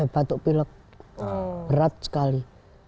batuk pilek berat sekali